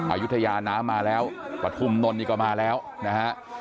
อายุทยาน้ำมาแล้วปฐุมนนทนี่ก็มาแล้วนะฮะ